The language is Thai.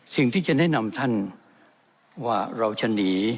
สิ่งที่จะแนะนำท่านว่าเราจะหนี